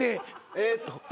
えっと。